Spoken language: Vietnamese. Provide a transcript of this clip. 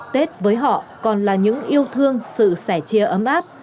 tết với họ còn là những yêu thương sự sẻ chia ấm áp